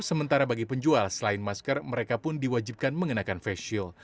sementara bagi penjual selain masker mereka pun diwajibkan mengenakan face shield